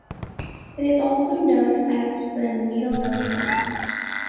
It is also known as the needlenose gar.